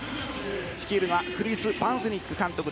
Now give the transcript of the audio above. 率いるのはクリス・バンスニック監督。